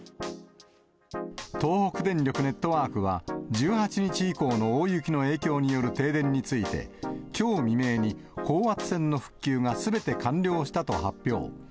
東北電力ネットワークは、１８日以降の大雪の影響による停電について、きょう未明に高圧線の復旧がすべて完了したと発表。